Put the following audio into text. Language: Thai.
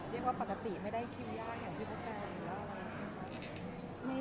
เรียกว่าปกติไม่ได้เพิ่มยากอย่างที่ประจำ